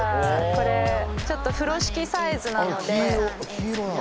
これちょっと風呂敷サイズなのであっ